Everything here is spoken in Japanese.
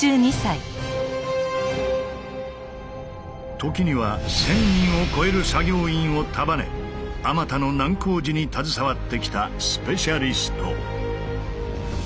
時には１，０００人を超える作業員を束ねあまたの難工事に携わってきたスペシャリスト。